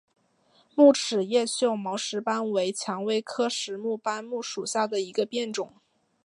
木齿叶锈毛石斑为蔷薇科石斑木属下的一个变种。